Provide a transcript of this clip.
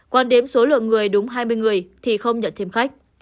còn đếm số lượng người đúng hai mươi người thì không nhận thêm khách